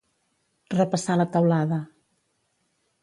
Repassar la teulada.